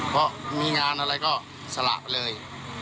เพราะมีงานอะไรก็สละไปเลย